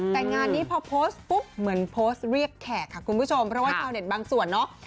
แต่งานนี้พอโพสต์ปุ๊บเหมือนโพสต์เรียกแขกค่ะคุณผู้ชมเพราะว่าชาวเน็ตบางส่วนเนาะ